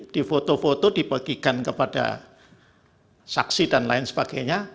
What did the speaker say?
di foto foto dibagikan kepada saksi dan lain sebagainya